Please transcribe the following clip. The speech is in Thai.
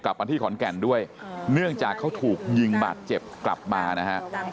กลับมาที่ขอนแก่นด้วยเนื่องจากเขาถูกยิงบาดเจ็บกลับมานะฮะ